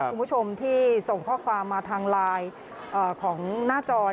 คุณผู้ชมที่ส่งข้อความมาทางไลน์ของหน้าจอ